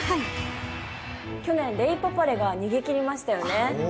去年レイパパレが逃げ切りましたよね？